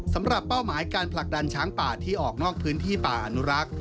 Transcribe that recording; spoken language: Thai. เป้าหมายการผลักดันช้างป่าที่ออกนอกพื้นที่ป่าอนุรักษ์